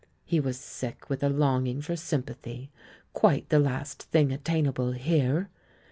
He was sick with a longing for sympathy — quite the last thing attainable here.